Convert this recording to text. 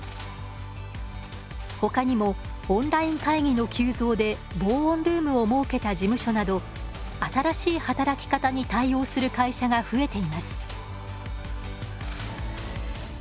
ほかにもオンライン会議の急増で防音ルームを設けた事務所など新しい働き方に対応する会社が増えています。